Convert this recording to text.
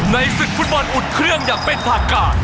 ในศึกฟุตบันอุดเครื่องอย่างเป็นฐานการณ์